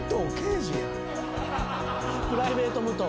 プライベート武藤。